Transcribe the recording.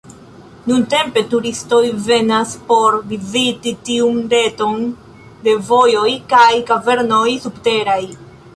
Nuntempe turistoj venas por viziti tiun reton de vojoj kaj kavernoj subteraj.